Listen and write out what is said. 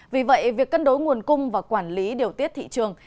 vì vậy việc cân đối nguồn cung và quản lý điều tiết thị trường